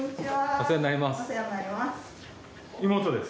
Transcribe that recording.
お世話になります。